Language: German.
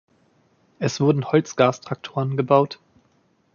Es wurden Holzgas-Traktoren gebaut.